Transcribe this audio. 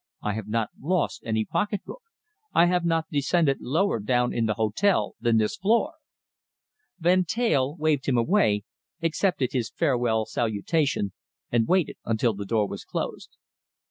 I have not lost any pocketbook. I have not descended lower down in the hotel than this floor." Van Teyl waved him away, accepted his farewell salutation, and waited until the door was closed.